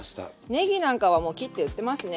ねぎなんかはもう切って売ってますね。